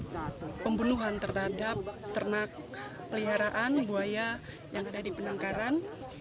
buaya yang mati bukan pembunuhan terhadap ternak peliharaan buaya yang ada di penangkaran